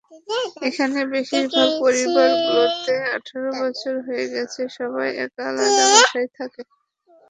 এখানে বেশির ভাগ পরিবারগুলোতে আঠারো বছর হয়ে গেলে সবাই একা আলাদা বাসায় থাকে।